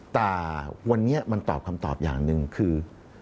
แต่วันนี้มันตอบคำตอบอย่างหนึ่งคือ